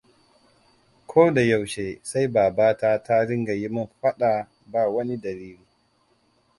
Kodayaushe sai babata ta dinga yi min faɗa ba wani dalili.